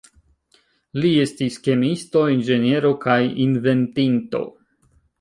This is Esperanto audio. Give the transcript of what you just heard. Li estis kemiisto, inĝeniero, kaj inventinto.